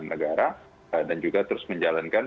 negara dan juga terus menjalankan